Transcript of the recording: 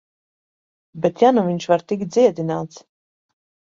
Bet ja nu viņš var tikt dziedināts...